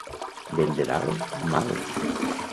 Vent de dalt? Mal!